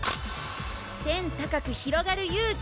天高くひろがる勇気！